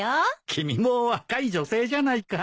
君も若い女性じゃないか。